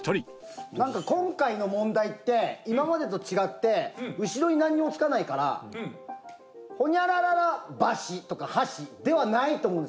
なんか今回の問題って今までと違って後ろになんにもつかないからホニャラララ箸とか箸ではないと思うんですよ。